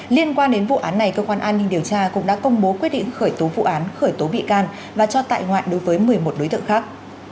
liên quan đến vụ án này cơ quan an ninh điều tra cũng đã công bố quyết định khởi tố vụ án khởi tố bị can và cho tại ngoại đối với một mươi một đối tượng khác